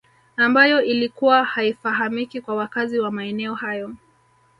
Ambayo ilikuwa haifahamiki kwa wakazi wa maeneo hayo